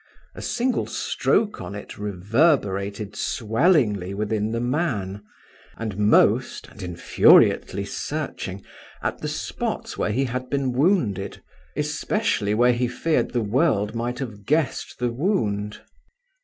A single stroke on it reverberated swellingly within the man, and most, and infuriately searching, at the spots where he had been wounded, especially where he feared the world might have guessed the wound.